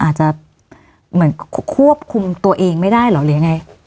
อาจจะเหมือนควบคุมตัวเองไม่ได้เหรอหรือยังไง